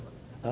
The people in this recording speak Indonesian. rusun di mana